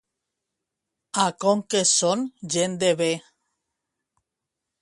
A Conques són gent de bé.